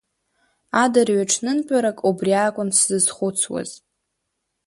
Адырҩаҽнынтәарак убри акәын сзызхәыцуаз.